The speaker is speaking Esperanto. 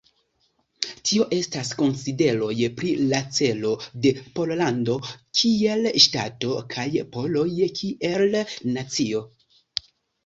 Tio estas konsideroj pri la celo de Pollando kiel ŝtato kaj poloj kiel nacio.